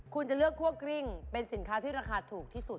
คุณจะเลือกคั่วกริ้งเป็นสินค้าที่ราคาถูกที่สุด